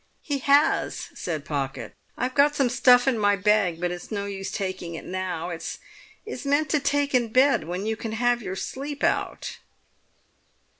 "He has," said Pocket. "I've got some stuff in my bag; but it's no use taking it now. It's meant to take in bed when you can have your sleep out."